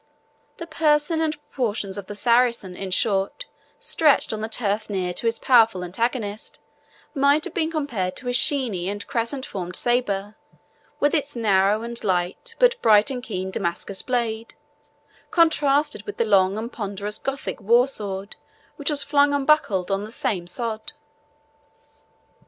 The person and proportions of the Saracen, in short, stretched on the turf near to his powerful antagonist, might have been compared to his sheeny and crescent formed sabre, with its narrow and light but bright and keen Damascus blade, contrasted with the long and ponderous Gothic war sword which was flung unbuckled on the same sod.